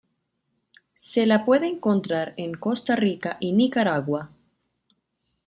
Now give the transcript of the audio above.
Se la puede encontrar en Costa Rica y Nicaragua.